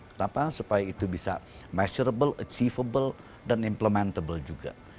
kenapa supaya itu bisa measurable achievable dan implementable juga